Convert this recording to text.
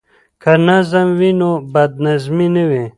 که نظم وي نو بد نظمي نه وي.